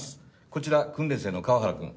こちら訓練生の河原くん。